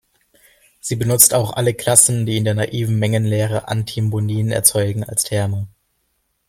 Sie benutzt auch alle Klassen, die in der naiven Mengenlehre Antinomien erzeugen, als Terme.